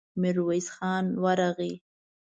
ميرويس خان ورغی.